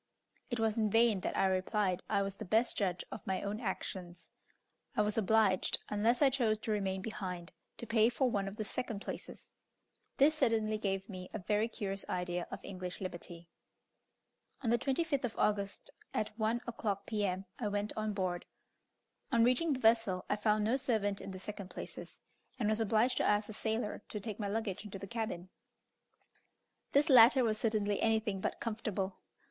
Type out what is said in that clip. It was in vain that I replied I was the best judge of my own actions; I was obliged, unless I chose to remain behind, to pay for one of the second places. This certainly gave me a very curious idea of English liberty. On the 25th of August, at 1 o'clock, P.M., I went on board. On reaching the vessel I found no servant in the second places, and was obliged to ask a sailor to take my luggage into the cabin. This latter was certainly anything but comfortable.